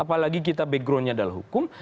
apalagi kita backgroundnya adalah hukum